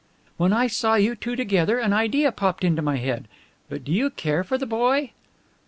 "When I saw you two together an idea popped into my head. But do you care for the boy?"